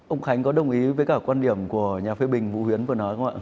ông khánh có đồng ý với cả quan điểm của nhà phê bình vũ huyến vừa nói không ạ